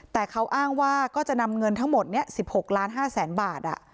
แต่เขาอ้างว่าก็จะนำเงินทั้งหมดนี้๑๖ล้าน๕แสนบาท